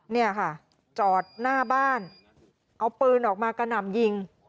เนี่ยค่ะจอดหน้าบ้านเอาปืนออกมากระหน่ำยิง